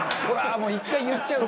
もう１回言っちゃうと。